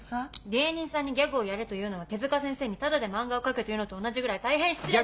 芸人さんにギャグをやれと言うのは手先生に「タダで漫画を描け」と言うのと同じぐらい大変失礼な。